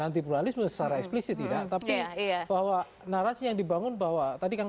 anti pluralisme secara eksplisit tidak tapi bahwa narasi yang dibangun bahwa tadi kang